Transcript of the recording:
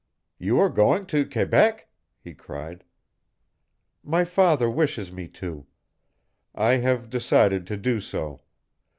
"You are going to Quebec?" he cried. "My father wishes me to. I have decided to do so.